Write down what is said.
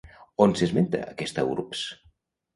On s'esmenta aquesta urbs?